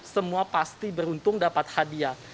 semua pasti beruntung dapat hadiah